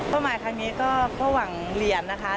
เพราะหมายคันนี้ก็เข้าหวังเหรียญนะครับ